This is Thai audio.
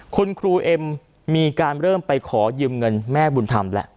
คุณครูเอ็มมีการเริ่มไปขอยืมเงินแม่บุญธรรมแล้ว